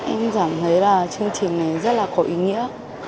em cảm thấy là chương trình này rất là có ý nghĩa